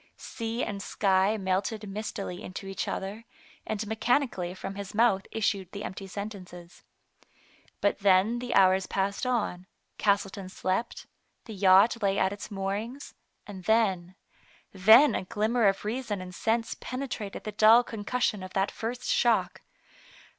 Sea and sky melted mist ily into each other, and mechanically from his mouth issued the empty sentences. But then the hours passed on, Castleton slept, the yacht lay at its moorings, and then — then a glimmer of reason and sense penetrated the dull concussion of that first shock.